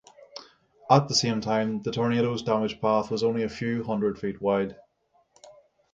At the time, the tornado's damage path was only a few hundred feet wide.